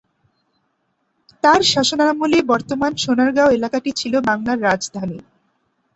তার শাসনামলে বর্তমান সোনারগাঁও এলাকাটি ছিল বাংলার রাজধানী।